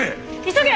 急げ！